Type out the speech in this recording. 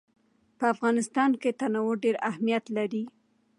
په افغانستان کې تنوع ډېر اهمیت لري.